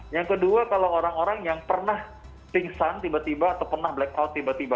yang kedua kalau orang orang yang pernah pingsan tiba tiba atau pernah blackout tiba tiba